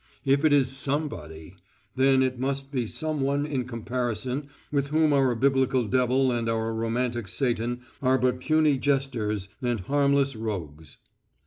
If it is Somebody, then it must be someone in comparison with whom our biblical devil and our romantic Satan are but puny jesters and harmless rogues.